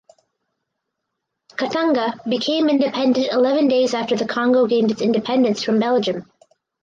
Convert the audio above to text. Katanga became independent eleven days after the Congo gained its independence from Belgium.